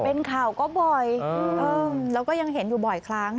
เป็นข่าวก็บ่อยแล้วก็ยังเห็นอยู่บ่อยครั้ง